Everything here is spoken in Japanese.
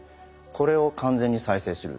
これを完全に再生する。